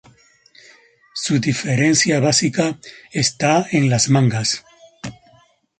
Su diferencia básica está en las mangas.